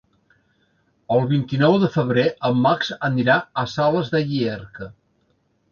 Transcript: El vint-i-nou de febrer en Max anirà a Sales de Llierca.